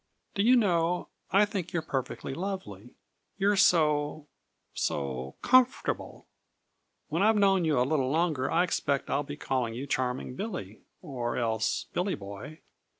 "Do you know, I think you're perfectly lovely. You're so so comfortable. When I've known you a little longer I expect I'll be calling you Charming Billy, or else Billy Boy.